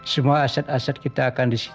semua aset aset kita akan disediakan